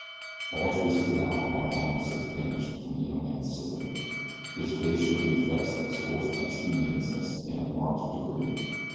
All traces of alcohol had long since vanished from the young man's system. His face showed the effects of his enforced abstemiousness in a marked degree.